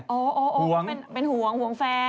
โอ้โฮเป็นห่วงแฟน